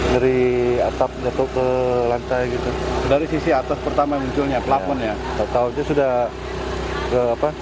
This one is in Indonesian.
dari atap jatuh ke lantai gitu dari sisi atas pertama munculnya pelafon ya tau aja sudah ke apa